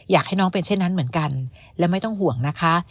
อยากให้น้องเป็นเช่นนั้นเหมือนกันและไม่ต้องห่วงนะคะ